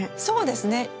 そうですね。